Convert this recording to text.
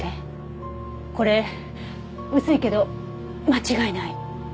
これ薄いけど間違いない内出血よ。